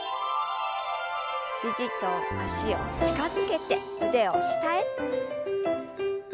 肘と脚を近づけて腕を下へ。